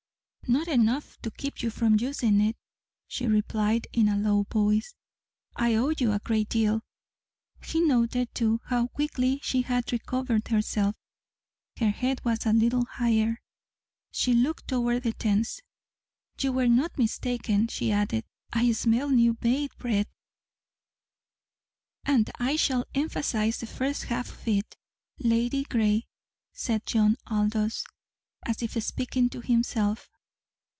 "Not enough to keep you from using it," she replied in a low voice. "I owe you a great deal." He noted, too, how quickly she had recovered herself. Her head was a little higher. She looked toward the tents. "You were not mistaken," she added. "I smell new made bread!" "And I shall emphasize the first half of it _Lady_gray," said John Aldous, as if speaking to himself.